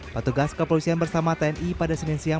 petugas kepolisian bersama tni pada senin siang